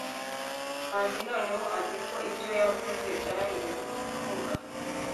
manzi noneho azi ko ibyo yavuze byari bibi kuvuga